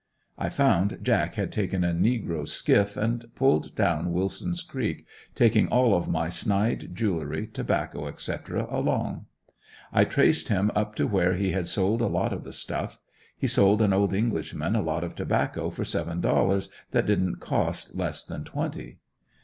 I found Jack had taken a negro's skiff and pulled down Willson's creek, taking all of my snide jewelry, tobacco, etc. along. I traced him up to where he had sold a lot of the stuff. He sold an old englishman a lot of tobacco for seven dollars that didn't cost less than twenty.